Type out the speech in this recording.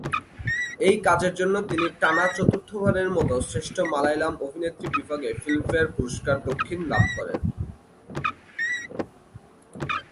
এই কাজের জন্য তিনি টানা চতুর্থবারের মত শ্রেষ্ঠ মালয়ালম অভিনেত্রী বিভাগে ফিল্মফেয়ার পুরস্কার দক্ষিণ লাভ করেন।